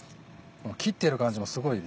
切っている感じもすごいですね。